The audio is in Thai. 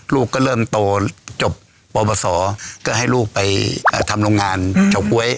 ลูกก็เริ่มโตจบปปศก็ให้ลูกไปทำโรงงานเฉาก๊วย